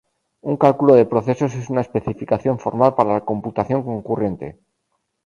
Un cálculo de procesos es una Especificación formal para la Computación concurrente.